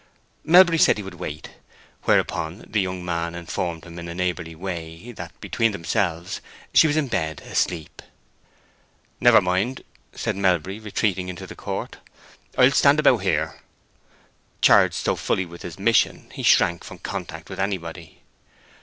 Melbury said he would wait, whereupon the young man informed him in a neighborly way that, between themselves, she was in bed and asleep. "Never mind," said Melbury, retreating into the court, "I'll stand about here." Charged so fully with his mission, he shrank from contact with anybody.